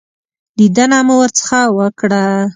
لیدنه مو ورڅخه وکړه.